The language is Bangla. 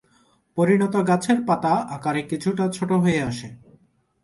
পরিণত গাছের পাতা আকারে কিছুটা ছোট হয়ে আসে।